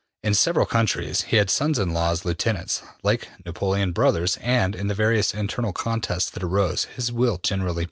In several countries he had sons in law as lieutenants, like Napoleon's brothers, and in the various internal contests that arose his will generally prevailed.